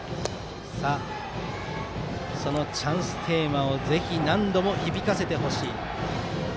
さあ、そのチャンステーマをぜひ何度も響かせてほしい。